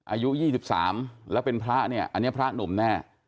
อายุ๒๓แล้วเป็นพระเนี่ยอันนี้พระหนุ่มแน่